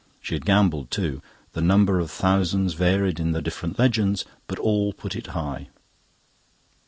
She had gambled too. The number of thousands varied in the different legends, but all put it high.